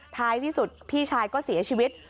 ท้ายที่สุดพี่ชายก็เสียชีวิต